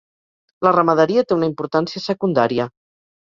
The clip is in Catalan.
La ramaderia té una importància secundària.